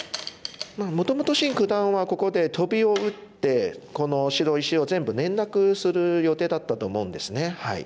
まあもともとシン九段はここでトビを打ってこの白石を全部連絡する予定だったと思うんですね。